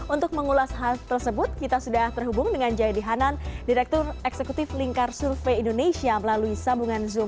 untuk mengulas hal tersebut kita sudah terhubung dengan jayadi hanan direktur eksekutif lingkar survei indonesia melalui sambungan zoom